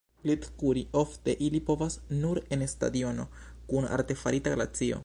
Glitkuri ofte ili povas nur en stadiono kun artefarita glacio.